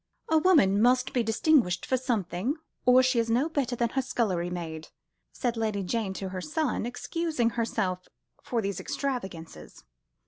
"A woman must be distinguished for something, or she is no better than her scullery maid," said Lady Jane to her son, excusing herself for these extravagances.